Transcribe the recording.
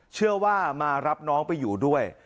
เชื่อว่ามารับน้องไปอยู่ด้วย